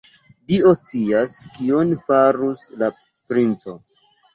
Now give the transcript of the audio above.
Dio scias, kion farus la princo!